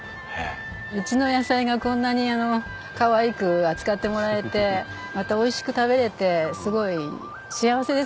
うちの野菜がこんなにかわいく扱ってもらえてまたおいしく食べられてすごい幸せですね。